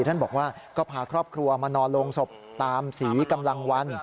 ท่านบอกว่าก็พาครอบครัวมานอนลงศพตามสีกำลังวัน